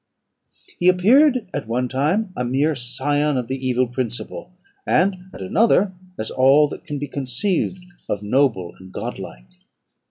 He appeared at one time a mere scion of the evil principle, and at another, as all that can be conceived of noble and godlike.